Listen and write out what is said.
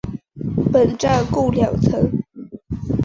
本站共两层。